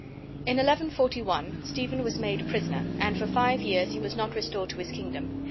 In 1141 Stephen was made prisoner, and for five years he was not restored to his kingdom.